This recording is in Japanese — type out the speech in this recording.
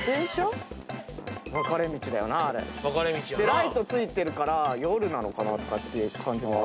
ライトついてるから夜なのかなっていう感じも。